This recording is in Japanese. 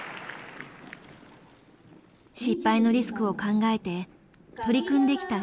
失敗のリスクを考えて取り組んできた